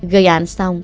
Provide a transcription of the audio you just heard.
gây án xong